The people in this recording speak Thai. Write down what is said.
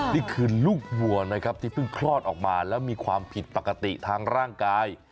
นี่คือลูกวัวนะครับที่เพิ่งคลอดออกมาแล้วมีความผิดปกติทางร่างกาย